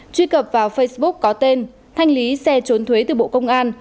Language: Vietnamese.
truy cập vào facebook có tên thanh lý xe trốn thuế từ bộ công an